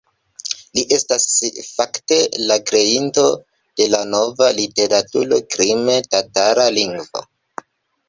Li estas fakte la kreinto de la nova literatura krime-tatara lingvo.